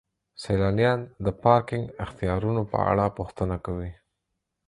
سیلانیان د پارکینګ اختیارونو په اړه پوښتنه کوي.